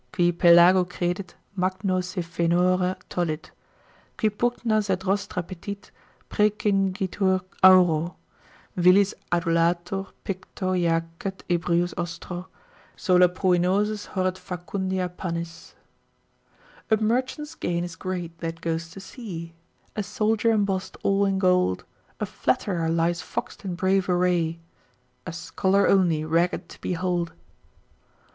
Qui Pelago credit, magno se faenore tollit, Qui pugnas et rostra petit, praecingitur auro: Vilis adulator picto jacet ebrius ostro, Sola pruinosis horret facundia pannis. A merchant's gain is great, that goes to sea; A soldier embossed all in gold; A flatterer lies fox'd in brave array; A scholar only ragged to behold.